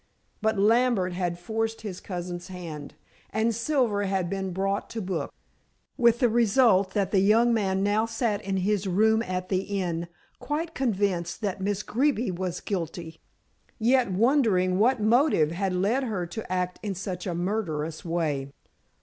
But Lambert had forced his cousin's hand, and Silver had been brought to book, with the result that the young man now sat in his room at the inn, quite convinced that Miss Greeby was guilty, yet wondering what motive had led her to act in such a murderous way.